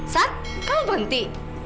sat kamu berhenti